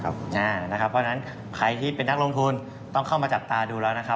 เพราะฉะนั้นใครที่เป็นนักลงทุนต้องเข้ามาจับตาดูแล้วนะครับ